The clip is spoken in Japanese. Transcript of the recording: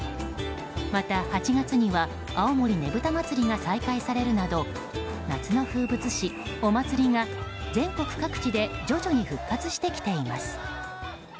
また８月には青森ねぶた祭が再開されるなど夏の風物詩、お祭りが全国各地で徐々に復活してきています。